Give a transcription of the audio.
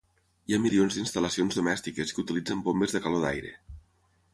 Hi ha milions d"instal·lacions domèstiques que utilitzen bombes de calor d"aire.